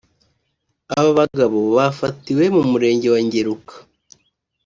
Aba bagabo bafatiwe mu Murenge wa Ngeruka